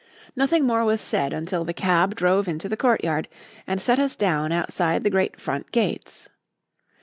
Nothing more was said until the cab drove into the courtyard and set us down outside the great front gates.